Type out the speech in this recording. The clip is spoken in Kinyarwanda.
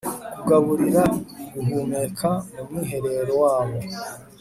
kugaburira guhumeka mu mwiherero wabo